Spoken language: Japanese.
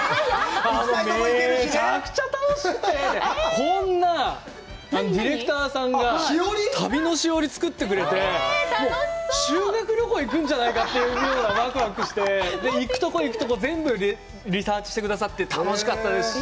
めちゃくちゃ楽しくて、こんな、ディレクターさんが旅のしおり作ってくれて、修学旅行に行くんじゃないかというぐらいわくわくして、行くところ行くところ全部リサーチしてくださってて楽しかったですし。